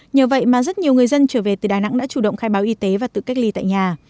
nhờ vậy mà rất nhiều người dân trở về từ đà nẵng đã chủ động khai báo y tế và tự cách ly tại nhà